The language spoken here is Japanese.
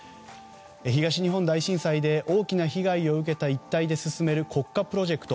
東日本大震災で大きな被害を受けた一帯で進める国家プロジェクト